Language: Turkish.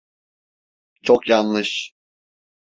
Çok yanlış.